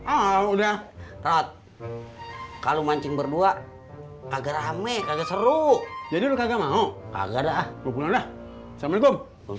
oh udah kalau mancing berdua agak rame seru jadi lu kagak mau agak dah sama dong